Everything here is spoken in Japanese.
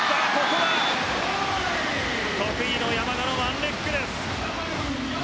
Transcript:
ここは得意の山田のワンレッグです。